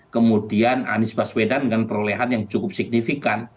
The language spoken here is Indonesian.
kemudian anies baswedan dengan perolehan yang cukup signifikan